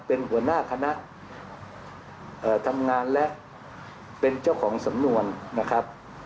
เป็นหัวหน้าคณะทำงานและเป็นเจ้าของสำนวนนะครับ